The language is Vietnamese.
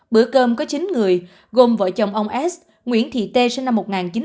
bữa cơm có chín người gồm vợ chồng ông s nguyễn thị t sinh năm một nghìn chín trăm chín mươi bốn